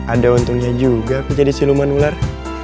ada untungnya juga aku jadi siluman ular